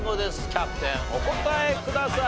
キャプテンお答えください。